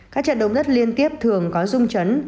các trận động đất liên tiếp thường có rung chấn